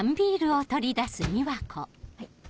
はい。